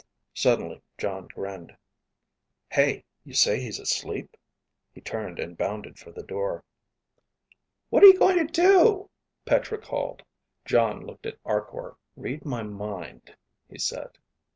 Suddenly Jon grinned. "Hey, you say he's asleep?" He turned and bounded for the door. "What are you going to do?" Petra called. Jon looked at Arkor. "Read my mind," he said.